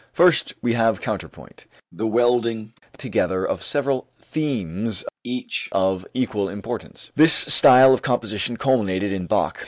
First we have counterpoint, the welding together of several themes each of equal importance. This style of composition culminated in Bach.